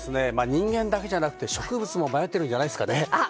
人間だけじゃなくて植物も迷ってるんじゃないですかね。